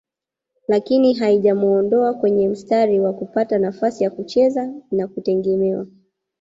lakini haijamuondoa kwenye mstari wa kupata nafasi ya kucheza na kutegemewa